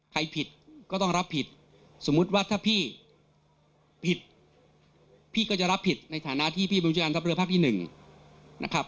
ผิดก็ต้องรับผิดสมมุติว่าถ้าพี่ผิดพี่ก็จะรับผิดในฐานะที่พี่บัญชาการทัพเรือภาคที่๑นะครับ